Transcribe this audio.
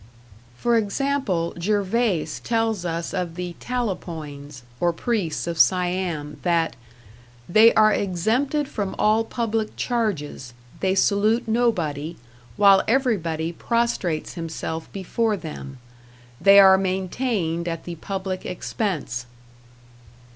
For example, Gervaise tells us of the Talapoins, or priests of Siam, that "they are exempted from all public charges, they salute nobody, while everybody prostrates himself before them. They are maintained at the public expense."